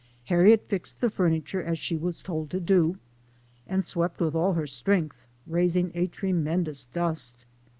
Harriet fixed the furniture as she was told to do, and swept with all her strength, raisins: a tremendous dust.